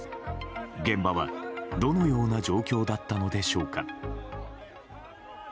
現場は、どのような状況だったのでしょうか。